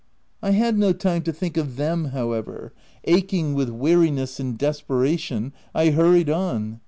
I had no time to think of them, however : aching with weari ness and desperation, I hurried on.